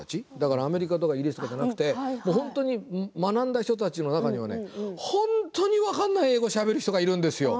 アメリカとかイギリス人ではなく学んだ人たちの中には本当に分からない英語をしゃべる人たちがいるんですよ。